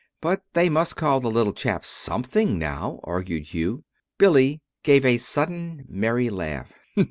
"But they must call the little chaps something, now," argued Hugh. Billy gave a sudden merry laugh.